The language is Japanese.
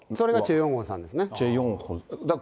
それがチェ・ヨンホンさんですね。